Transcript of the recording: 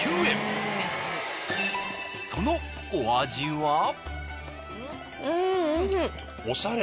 そのお味は？